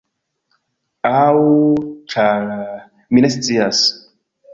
Aŭ… ĉar… mi ne scias.